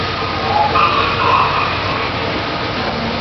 あの人はかっこいい。